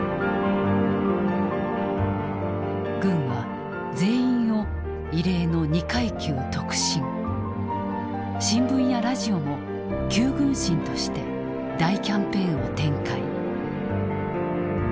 軍は全員を異例の二階級特進新聞やラジオも「九軍神」として大キャンペーンを展開。